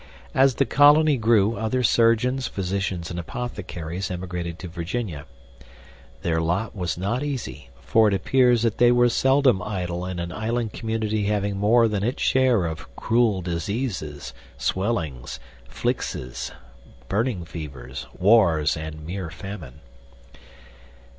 As the colony grew, other surgeons, physicians, and apothecaries, emigrated to Virginia. Their lot was not easy, for it appears that they were seldom idle in an island community having more than its share of "cruell diseases, Swellings, Flixes, Burning Fevers, warres and meere famine."